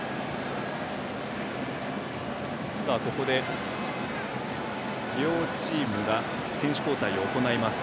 ここで両チームが選手交代を行います。